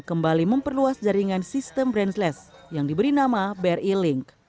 kembali memperluas jaringan sistem brandless yang diberi nama bri link